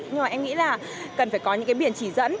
nhưng mà em nghĩ là cần phải có những cái biển chỉ dẫn